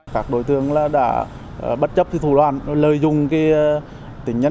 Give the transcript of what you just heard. các đối tượng đã bất chấp thủ đoàn lợi dụng tình nhân